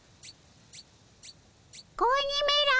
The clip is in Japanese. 子鬼めら。